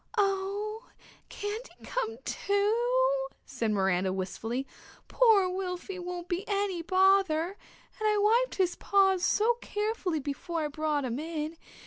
"Oh, can't he come, too?" said Miranda wistfully. "Poor Wilfy won't be any bother and I wiped his paws so carefully before I brought him in.